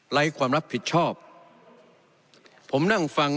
ไร้ความรับผิดชอบผมนั่งฟัง